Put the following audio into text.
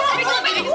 oh susah pegang gue